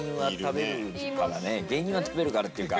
芸人は食べるからっていうか。